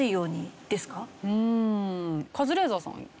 うーんカズレーザーさん。